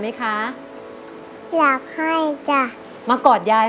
เอาบินมาเลย